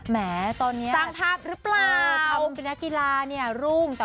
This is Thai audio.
แหมตอนนี้ครับผมเป็นนักกีฬาเนี่ยรุ่งสั่งภาพรึเปล่า